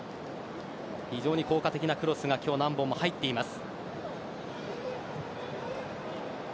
非常に効果的なクロスが今日、何本も入っています。